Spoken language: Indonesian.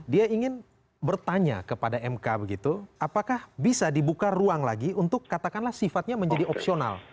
dia ingin bertanya kepada mk begitu apakah bisa dibuka ruang lagi untuk katakanlah sifatnya menjadi opsional